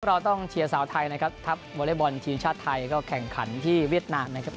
เราต้องเชียร์สาวไทยนะครับทัพวอเล็กบอลทีมชาติไทยก็แข่งขันที่เวียดนามนะครับ